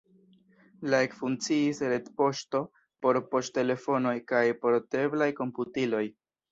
La ekfunkciis retpoŝto por poŝtelefonoj kaj porteblaj komputiloj.